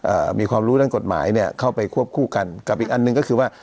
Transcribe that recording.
อ่ามีความรู้ด้านกฎหมายเนี้ยเข้าไปควบคู่กันกับอีกอันหนึ่งก็คือว่า